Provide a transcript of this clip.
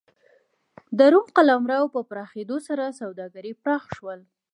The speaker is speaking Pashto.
د روم قلمرو په پراخېدو سره سوداګري پراخ شول